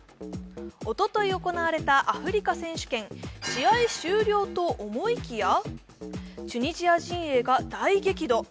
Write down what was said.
おととい行われたアフリカ選手権、試合終了と思いきやチュニジア陣営が大激怒。